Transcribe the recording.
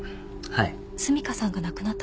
はい？